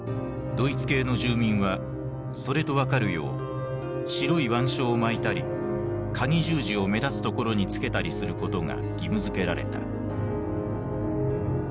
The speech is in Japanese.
ドイツ系の住民はそれと分かるよう白い腕章を巻いたり鉤十字を目立つところにつけたりすることが義務付けられた。